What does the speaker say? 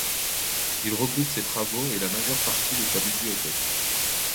Il regroupe ses travaux et la majeure partie de sa bibliothèque.